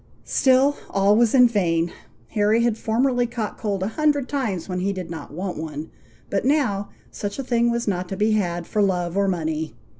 Still, all was in vain! Harry had formerly caught cold a hundred times when he did not want one; but now, such a thing was not to be had for love or money.